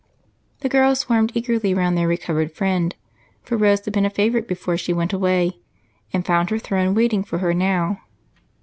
The girls swarmed eagerly around their recovered friend, for Rose had been a favorite before she went away and found her throne waiting for her now.